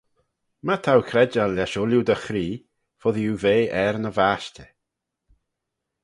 My t'ou credjal lesh ooilley dty chree, foddee oo ve er ny vashtey.